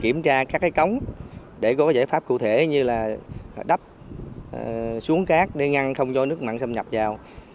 kiểm tra các cái cống để có giải pháp cụ thể như là đắp xuống cát để ngăn không cho nước mặn xâm nhập vào